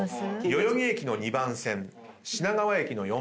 代々木駅の２番線品川駅の４番線など。